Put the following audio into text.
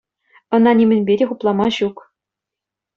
Ӑна нимӗнпе те хуплама ҫук.